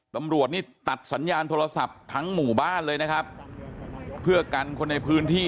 ตำรวจนี่ตัดสัญญาณโทรศัพท์ทั้งหมู่บ้านเลยนะครับเพื่อกันคนในพื้นที่